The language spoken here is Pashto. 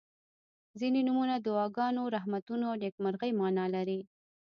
• ځینې نومونه د دعاګانو، رحمتونو او نیکمرغۍ معنا لري.